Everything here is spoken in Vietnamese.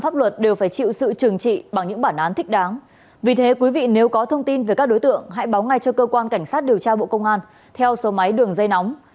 hãy báo ngay cho cơ quan cảnh sát điều tra bộ công an theo số máy đường dây nóng sáu mươi chín hai trăm ba mươi bốn năm nghìn tám trăm sáu mươi